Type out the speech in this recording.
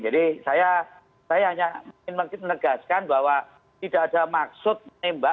jadi saya hanya ingin menegaskan bahwa tidak ada maksud menembak